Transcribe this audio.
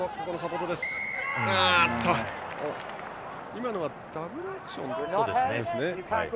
今のはダブルアクションですかね。